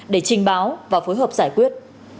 để trình báo và phối hợp giải quyết